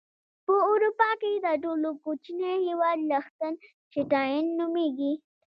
په اروپا کې تر ټولو کوچنی هیواد لختن شټاين نوميږي.